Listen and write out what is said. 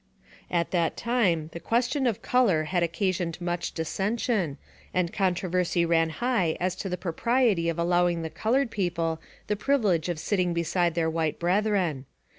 At that time the question of color had occasioned much dissension, and controversy ran high as to the propriety of allowing the colored people the privilege of sitting beside their white brethren.